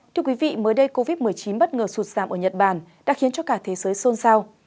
thưa quý vị mới đây covid một mươi chín bất ngờ sụt giảm ở nhật bản đã khiến cho cả thế giới xôn xao